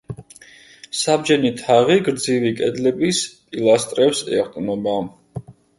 საბჯენი თაღი გრძივი კედლების პილასტრებს ეყრდნობა.